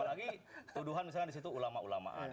apalagi tuduhan misalnya di situ ulama ulamaan